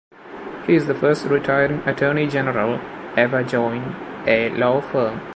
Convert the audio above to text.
He is the first retiring Attorney General ever to join a law firm.